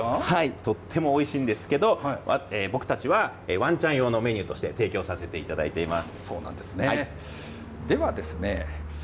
とってもおいしいんですけど、僕たちはワンちゃん用のメニューとして提供させていただいています。